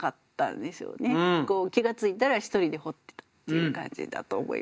気が付いたら一人で掘ってたっていう感じだと思います。